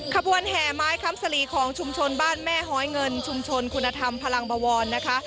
ขบวนแห่ไม้คำสลีของชุมชนบ้านแม่หอยเงินชุมชนคุณธรรมพลังบวรนะคะ